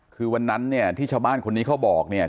คือวันนั้นเนี่ยที่ชาวบ้านคนนี้เขาบอกเนี่ย